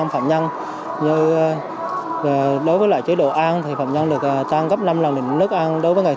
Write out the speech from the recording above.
phạm nhân như đối với lại chế độ an thì phạm nhân được trang gấp năm lần đỉnh nước an đối với ngày